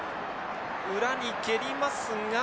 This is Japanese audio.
裏に蹴りますが。